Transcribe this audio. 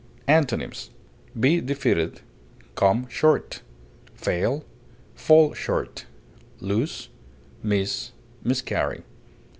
Antonyms: be defeated, come short, fail, fall short, lose, miss, miscarry.